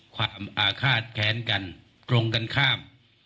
ความอาฆาตแค้นกันตรงกันข้าม